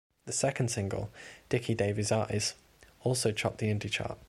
The second single, "Dickie Davies Eyes", also topped the indie chart.